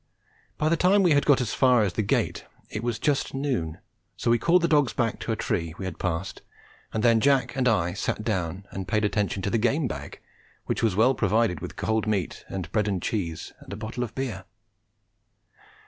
By the time we had got as far as the gate it was just noon, so we called the dogs back to a tree we had passed, and then Jack and I sat down and paid attention to the game bag, which was well provided with cold meat and bread and cheese and a bottle of beer.